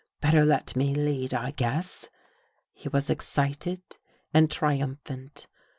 Better let me lead, I guess." He was excited and triumphant.